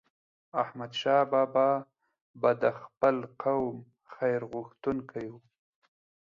احمدشاه بابا به د خپل قوم خیرغوښتونکی و.